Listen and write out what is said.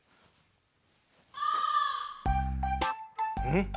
「ん？